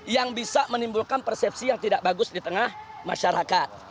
yang bisa menimbulkan persepsi yang tidak bagus di tengah masyarakat